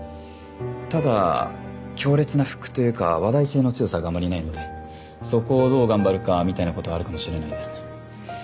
ただ強烈なフックというか話題性の強さがあまりないのでそこをどう頑張るかみたいなことあるかもしれないですね